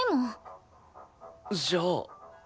じゃあ。